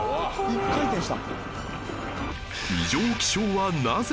１回転した。